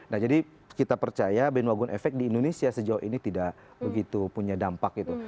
nah jadi kita percaya bandwagon effect di indonesia sejauh ini tidak begitu punya dampak gitu